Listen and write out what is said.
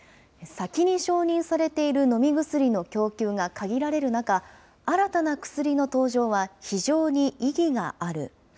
先に承認されている飲み薬の供給が限られる中、新たな薬の登場は非常に意義がある。